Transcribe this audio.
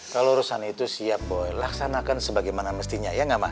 kalo urusan itu siap boy laksanakan sebagaimana mestinya ya enggak ma